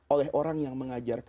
oleh orang yang mengajar saya